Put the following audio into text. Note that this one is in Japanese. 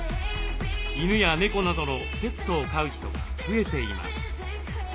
犬や猫などのペットを飼う人が増えています。